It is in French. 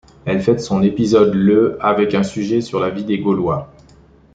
Elle fête son épisode le avec un sujet sur la vie des Gaulois.